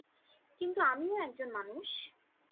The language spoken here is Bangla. কিন্তু আমিও একজন মানুষ।